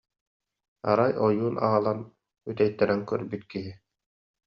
Арай ойуун аҕалан үтэйтэрэн көрбүт киһи»